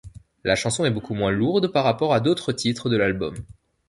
La chanson est beaucoup moins lourde par rapport à d'autres titres de l'album.